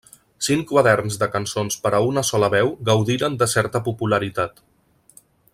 Cinc quaderns de cançons per a una sola veu gaudiren de certa popularitat.